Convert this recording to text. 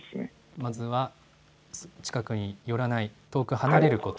まずは近くに寄らない、遠く離れること。